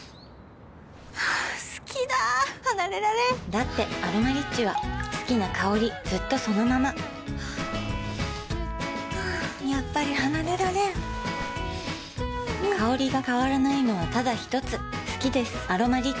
好きだ離れられんだって「アロマリッチ」は好きな香りずっとそのままやっぱり離れられん香りが変わらないのはただひとつ好きです「アロマリッチ」